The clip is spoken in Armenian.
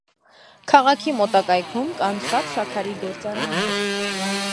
Քաղաքի մոտակայքում կան շատ շաքարի գործարաններ։